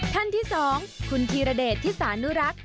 ท่านที่๒คุณธีรเดชธิสานุรักษ์